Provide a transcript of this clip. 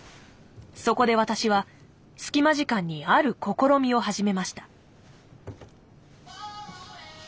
そこで私は隙間時間にある試みを始めました。